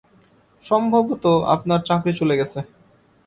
সম্ভবত আপনার চাকরি চলে গেছে।